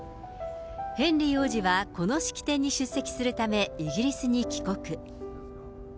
ヘンリー王子はこの式典に出席するため、イギリスに帰国。